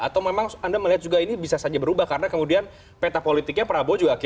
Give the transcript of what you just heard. atau memang anda melihat juga ini bisa saja berubah karena kemudian peta politiknya prabowo juga